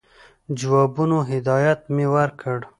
جوابونو هدایت مي ورکړ.